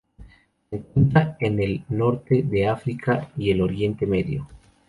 Se encuentran en el norte de África y el Oriente Medio.